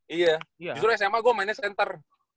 iya justru sma gue mainnya center